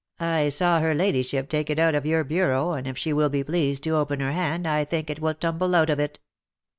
" I saw her ladyship take it out of your bureau, and if she will be pleased to open her hand, I think it will tumble out of it."